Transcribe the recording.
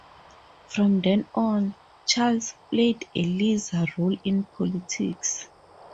From then on, Charles played a lesser role in politics.